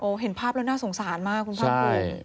โอ้เห็นภาพแล้วน่าสงสารมากคุณภาพคุณ